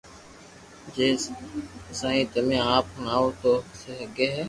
جي سائين تمي آپ ھڻاويو تو سگي ھي